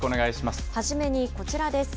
初めにこちらです。